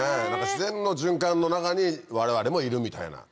自然の循環の中に我々もいるみたいな。